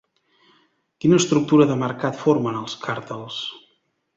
Quina estructura de mercat formen els càrtels?